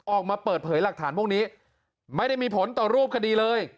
ออกมาเปิดเผยหลักฐานพวกนี้ไม่ได้มีผลต่อรูปคดีเลย